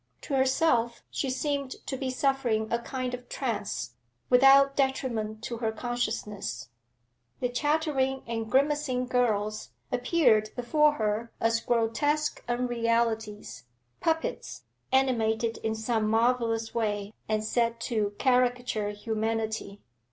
To herself she seemed to be suffering a kind of trance, without detriment to her consciousness. The chattering and grimacing girls appeared before her as grotesque unrealities, puppets animated in some marvellous way, and set to caricature humanity.